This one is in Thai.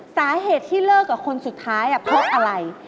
สาเหตุที่เลิกกับคนสุดท้ายเพราะอะไร